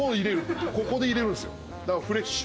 ここで入れるんすよだからフレッシュ。